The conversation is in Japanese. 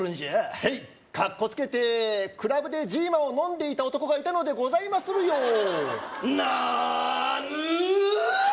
へいかっこつけてクラブでＺＩＭＡを飲んでいた男がいたのでございまするよなぬ！